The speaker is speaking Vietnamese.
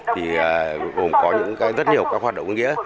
thì gồm có rất nhiều các hoạt động nghĩa